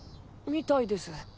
みたいです。